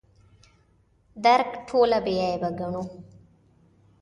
درک ټوله بې عیبه ګڼو.